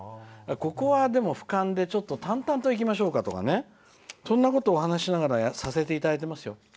ここは、でもふかんで淡々といきましょうかとかそんなことをお話しながらさせていただいてますよ。